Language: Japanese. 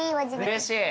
うれしい。